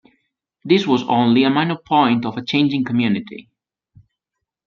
This was only a minor point of a changing community.